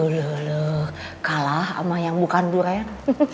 leluh kalah sama yang bukan duren